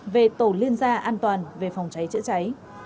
về tổ liên gia an toàn về phòng cháy chữa cháy